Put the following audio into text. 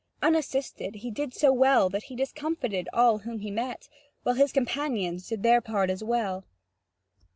Unassisted, he did so well that he discomfited all whom he met, while his companions did their part as well.